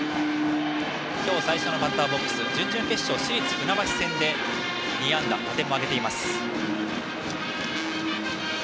今日最初のバッターボックス準々決勝市立船橋戦で２安打得点を挙げています。